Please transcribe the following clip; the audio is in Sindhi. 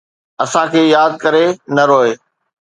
اسان کي ياد ڪري نه روءِ